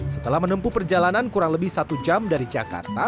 setelah menempuh perjalanan kurang lebih satu jam dari jakarta